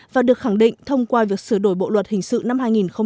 và được khẳng định thông qua việc sửa đổi bộ luật hình sự năm hai nghìn một mươi năm